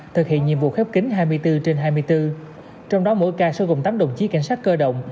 thực hiện nhiệm vụ khép kính hai mươi bốn trên hai mươi bốn trong đó mỗi ca sẽ gồm tám đồng chí cảnh sát cơ động